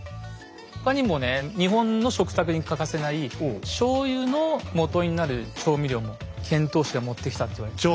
他にもね日本の食卓に欠かせないしょうゆのもとになる調味料も遣唐使が持ってきたと言われてますね。